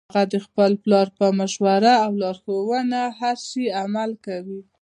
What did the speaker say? هغه د خپل پلار په مشوره او لارښوونه هر شي عمل کوي